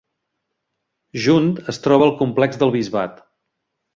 Junt es troba el complex del bisbat.